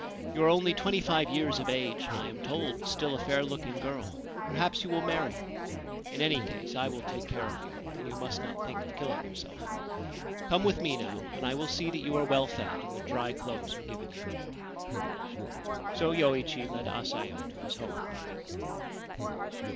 You are only twenty five years of age, and I am told still a fair looking girl. Perhaps you will marry ! In any case, I will take care of you, and you must not think of killing yourself. Come with me now ; and I will see that you are well fed, and that dry clothes are given you/ So Yoichi led Asayo to his home.